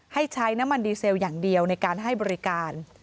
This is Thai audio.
ให้ใช้น้ำมันดีเซลอย่างเดียวในการให้บริการ